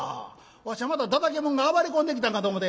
わしはまたダダケモンが暴れ込んできたんかと思て」。